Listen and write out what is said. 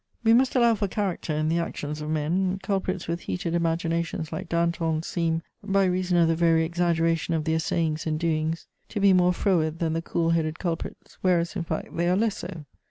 We must allow for character in the actions of men; culprits with heated imaginations like Danton seem, by reason of the very exaggeration of their sayings and doings, to be more froward than the cool headed culprits, whereas in fact they are less so.